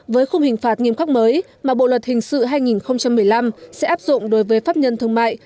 với khung hình phạt nghiêm khắc mới mà bộ luật hình sự hai nghìn một mươi năm sẽ áp dụng đối với pháp nhân thương mại